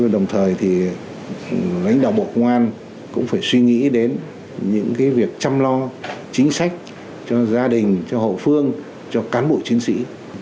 đồng thời thì lãnh đạo bộ công an cũng phải suy nghĩ đến những việc chăm lo chính sách cho gia đình cho hậu phương cho cán bộ chiến sĩ